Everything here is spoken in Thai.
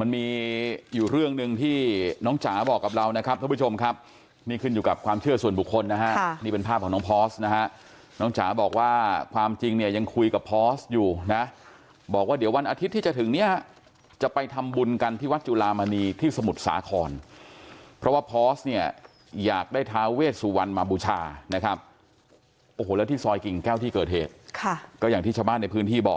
มันมีอยู่เรื่องหนึ่งที่น้องจ๋าบอกกับเรานะครับทุกผู้ชมครับนี่ขึ้นอยู่กับความเชื่อส่วนบุคคลนะฮะนี่เป็นภาพของน้องพอร์สนะฮะน้องจ๋าบอกว่าความจริงเนี้ยยังคุยกับพอร์สอยู่นะบอกว่าเดี๋ยววันอาทิตย์ที่จะถึงเนี้ยจะไปทำบุญกันที่วัดจุลามณีที่สมุทรสาขรเพราะว่าพอร์สเนี้ยอยากได